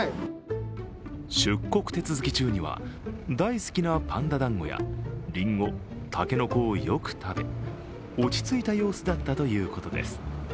出国手続き中には大好きなパンダだんごやりんご、竹の子をよく食べ、落ち着いた様子だったということです。